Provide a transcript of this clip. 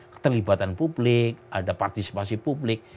keterlibatan publik ada partisipasi publik